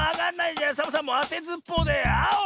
じゃあサボさんあてずっぽうであお！